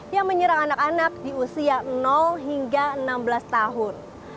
yang menyerang anak anak di usia hingga enam belas tahun